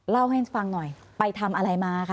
เล่าให้ฟังหน่อยไปทำอะไรมาคะ